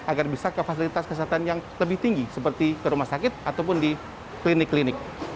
agar bisa ke fasilitas kesehatan yang lebih tinggi seperti ke rumah sakit ataupun di klinik klinik